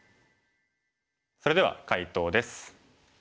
それでは解答です。